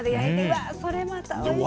わそれまたおいしそう。